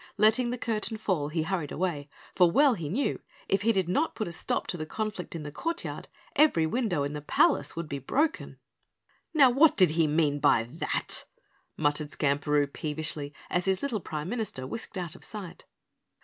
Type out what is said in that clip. Letting the curtain fall, he hurried away, for well he knew, if he did not put a stop to the conflict in the courtyard every window in the palace would be broken. "Now what did he mean by that?" muttered Skamperoo peevishly as his little Prime Minister whisked out of sight.